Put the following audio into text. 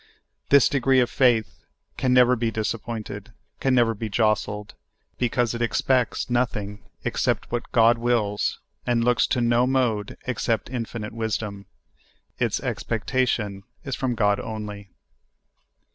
This degree of faith can never be divSappointed, can never be jostled, because it expects nothing except what God wills, and looks to no mode except infinite wisdom. Its expectation is from God only.